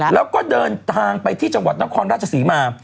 แล้วก็เดินทางไปที่จังหวัดนครราชศรีมา